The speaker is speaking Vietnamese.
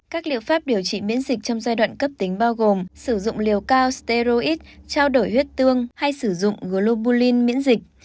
các liệu pháp điều trị miễn dịch trong giai đoạn cấp tính bao gồm sử dụng liều cao steroid trao đổi huyết tương hay sử dụng globalin miễn dịch